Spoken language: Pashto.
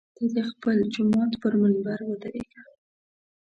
ته د خپل جومات پر منبر ودرېږه.